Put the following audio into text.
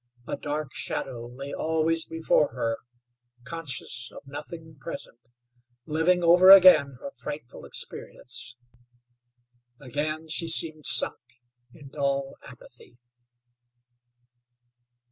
A dark shadow lay always before her, conscious of nothing present, living over again her frightful experience. Again she seemed sunk in dull apathy.